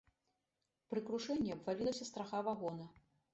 Пры крушэнні абвалілася страха вагона.